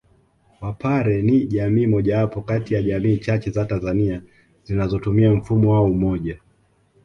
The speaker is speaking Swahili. Wapare ni jamii mojawapo kati ya jamii chache za Tanzania zinazotumia mfumo wa Umoja